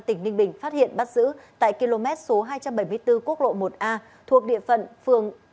tỉnh ninh bình phát hiện bắt giữ tại km số hai trăm bảy mươi bốn quốc lộ một a thuộc địa phận phường